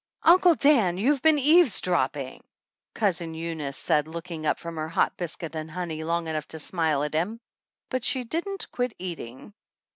"Uncle Dan, you've been eavesdropping!" Cousin Eunice said, looking up from her hot biscuit and honey long enough to smile at him, but she didn't quit eating.